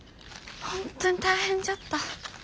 本当に大変じゃった。